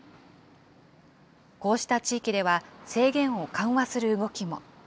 こうした地域では、制限を緩和する動きも。